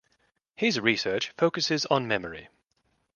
His research focuses on memory.